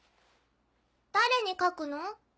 誰に書くの？